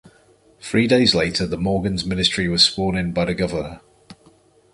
Three days later, the Morgans Ministry was sworn in by the Governor.